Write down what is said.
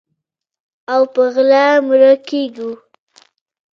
او په غلا مړه کیږو